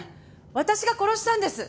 私が殺したんです！